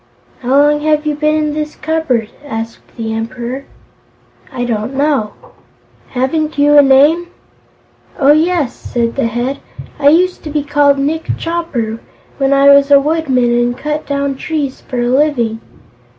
"How long have you been in this cupboard?" asked the Emperor. "I don't know." "Haven't you a name?" "Oh, yes," said the Head; "I used to be called Nick Chopper, when I was a woodman and cut down trees for a living."